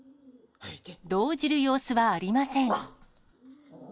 動じる様子はありません。